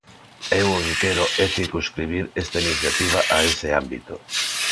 Eu o que quero é circunscribir esta iniciativa a ese ámbito.